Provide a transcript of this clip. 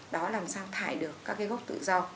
đó là làm sao thải được các cái gốc tự do